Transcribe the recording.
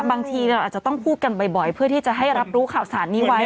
บางทีเราอาจจะต้องพูดกันบ่อยเพื่อที่จะให้รับรู้ข่าวสารนี้ไว้